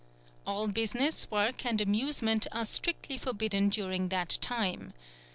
All business, work, and amusement are strictly forbidden during that time.